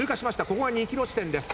ここが２ｋｍ地点です。